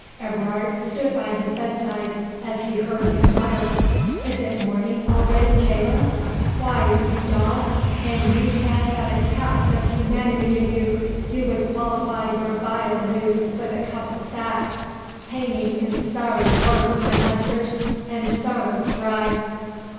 Everard stood by his bedside, as he heard him mutter, "Is it morning already, jailor?—Why, you dog, an you had but a cast of humanity in you, you would qualify your vile news with a cup of sack;—hanging is sorry work, my masters—and sorrow's dry."